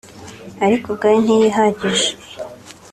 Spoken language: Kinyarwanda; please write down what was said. ariko ubwayo ntiyihagije